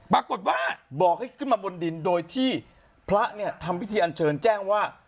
บอกให้ขึ้นมาบนดินโดยที่พระเนี่ยทำพิธีอันเชิญแจ้งว่า